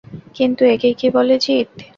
কিন্তু একেই কি বলে জিত?